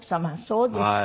そうですか。